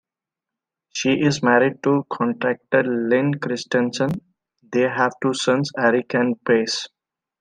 She is married to contractor Len Kristensen; they have two sons, Eric and Bryce.